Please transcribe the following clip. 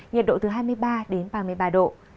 nhiệt độ từ hai mươi ba đến ba mươi ba độ